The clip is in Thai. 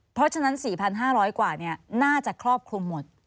เพราะฉะนั้นสี่พันห้าร้อยกว่านี้น่าจะครอบคลุมหมด